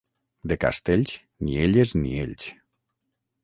De Castells, ni elles ni ells.